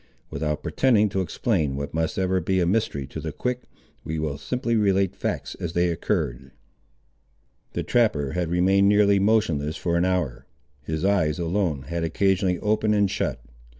Without pretending to explain what must ever be a mystery to the quick, we shall simply relate facts as they occurred. The trapper had remained nearly motionless for an hour. His eyes, alone, had occasionally opened and shut.